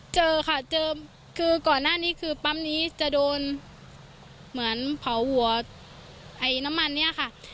เจอค่ะเจอคือก่อนหน้านี้คือปั๊มนี้จะโดนเหมือนเผาหัวไอ้น้ำมันเนี่ยค่ะ